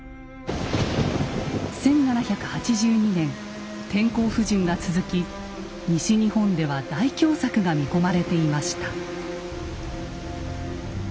１７８２年天候不順が続き西日本では大凶作が見込まれていました。